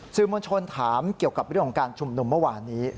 มวลชนถามเกี่ยวกับเรื่องของการชุมนุมเมื่อวานนี้